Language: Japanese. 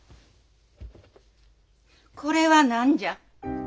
これは何じゃ？